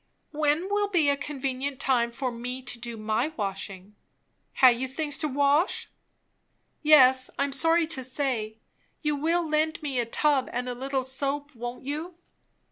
"When will be a convenient time for me to do my washing?" "Ha' you things to wash?" "Yes, I am sorry to say. You will lend me a tub, and a little soap, won't you?"